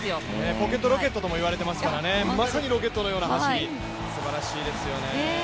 ポケットロケットともいわれていますから、まさにロケットのような走り、すばらしいですよね。